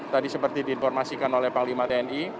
tadi seperti diinformasikan oleh pak limat n